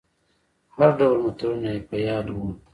هر ډول متلونه يې په ياد وو.